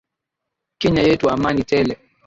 Kenya yetu amani tele.